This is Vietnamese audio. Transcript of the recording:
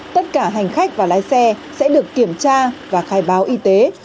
tất cả hành khách và lái xe sẽ được kiểm tra và khai báo y tế